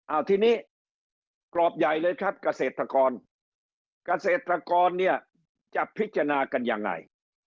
เอาทีนี้กรอบใหญ่เลยครับเกษตรกรเกษตรกรเนี่ยจะพิจารณากันยังไง